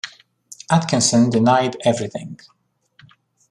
Atkinson denied everything.